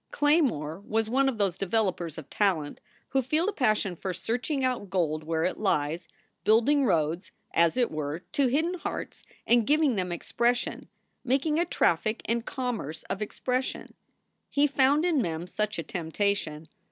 Claymore was one of those developers of talent who feel a passion for searching out gold where it lies, building roads, as it were, to hidden hearts and giving them expression, making a traffic and commerce of expression. He found in Mem such a temptation.